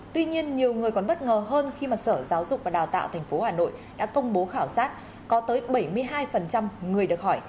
tuy nhiên nhiều người còn bất ngờ hơn khi mà sở giáo dục và đào tạo tp hà nội đã công bố khảo sát có tới bảy mươi hai người được hỏi